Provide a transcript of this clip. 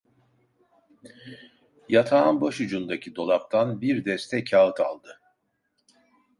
Yatağın başucundaki dolaptan bir deste kâğıt aldı.